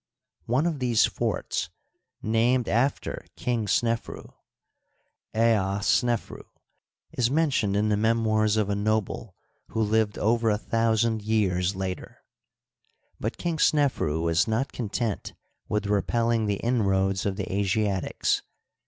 One of these forts, named after King Snefru, Aa Snefru, is men tioned in the memoirs of a noble who lived over a thou sand years later. But King Snefru was not content with repelling the inroads of the Asiatics.